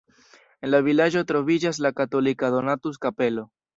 En la vilaĝo troviĝas la katolika Donatus-kapelo.